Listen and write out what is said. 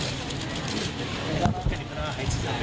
เมืองที่มีความรู้สึกว่าเมืองที่อยู่ข้างหลังจากพลิกแสงมนุษย์ส่วนตก